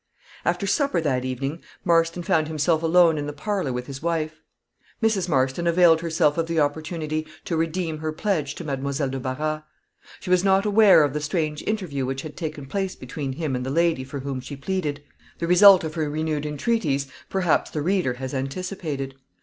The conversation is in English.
After supper that evening Marston found himself alone in the parlor with his wife. Mrs. Marston availed herself of the opportunity to redeem her pledge to Mademoiselle de Barras. She was not aware of the strange interview which had taken place between him and the lady for whom she pleaded. The result of her renewed entreaties perhaps the reader has anticipated.